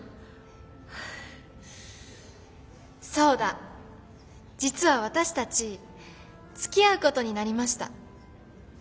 そうだ実は私たちつきあうことになりました。